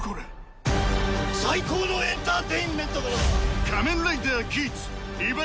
最高のエンターテインメントだ！